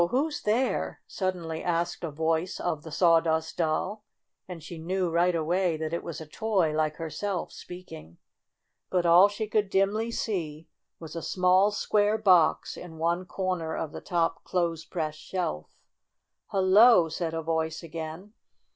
Who 's there %'' suddenly asked a voice of the Sawdust Doll, and she knew, right away, that it was a toy, like herself, speaking. But all she could dimly see was a small, square box in one corner of the top clothes ' press shelf. "Hello!" said a voice again.